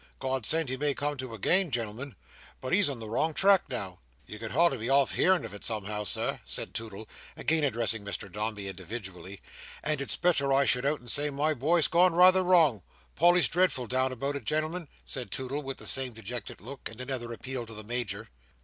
God send he may come to again, genelmen, but he's on the wrong track now! You could hardly be off hearing of it somehow, Sir," said Toodle, again addressing Mr Dombey individually; "and it's better I should out and say my boy's gone rather wrong. Polly's dreadful down about it, genelmen," said Toodle with the same dejected look, and another appeal to the Major.